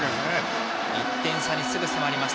１点差にすぐ迫ります。